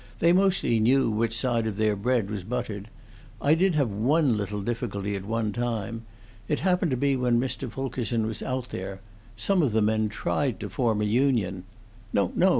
"They mostly knew which side of their bread was buttered. I did have one little difficulty at one time. It happened to be when Mr. Fulkerson was out there. Some of the men tried to form a union " "No, no!"